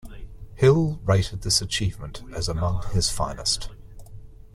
Hill rated this achievement as among his finest.